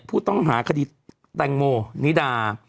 ผู้ต้องหาคดีแตงโมนิดา